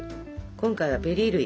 今回はベリー類。